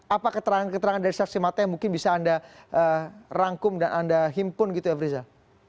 apa keterangan keterangan dari saksi mata yang mungkin bisa anda rangkum dan anda himpun gitu afriza